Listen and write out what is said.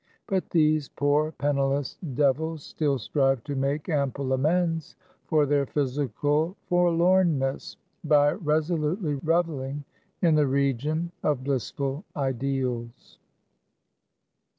But these poor, penniless devils still strive to make ample amends for their physical forlornness, by resolutely reveling in the region of blissful ideals.